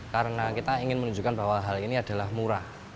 karena kita ingin menunjukkan bahwa hal ini adalah murah